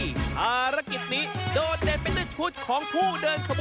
ภารกิจนี้โดดเด่นไปด้วยชุดของผู้เดินขบวน